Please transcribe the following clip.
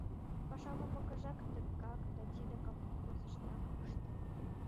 — Пашам умбакыжат тыгак да тиде колхозыштак ыште.